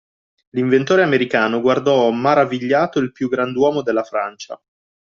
L’inventore americano guardò maravigliato il più grand’uomo della Francia.